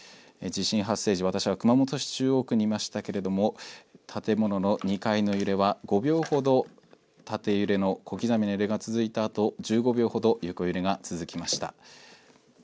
地震発生時、私は熊本市中央区にいましたけれども、建物の２階の揺れは、５秒ほど縦揺れの小刻みの揺れが続いたあと、１５秒ほど横揺れが続きました。